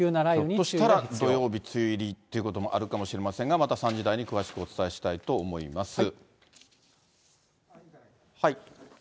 ひょっとしたら、土曜日梅雨入りということもあるかもしれませんが、また３時台に詳しくお伝えしたいと思います。